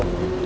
aku tidak mau